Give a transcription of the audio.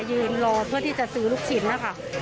ยืนรอเพื่อที่จะซื้อลูกชิ้นนะคะ